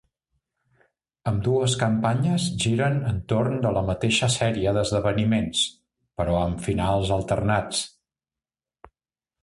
Ambdues campanyes giren entorn de la mateixa sèrie d'esdeveniments, però amb finals alternats.